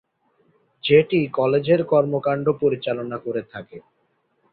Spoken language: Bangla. যেটি কলেজের কর্মকাণ্ড পরিচালনা করে থাকে।